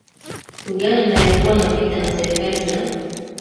Uganda ya kuwa na vita na serikali za